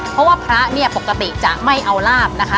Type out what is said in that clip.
เพราะว่าพระเนี่ยปกติจะไม่เอาลาบนะคะ